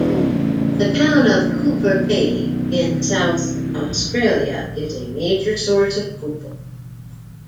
The town of Coober Pedy in South Australia is a major source of opal.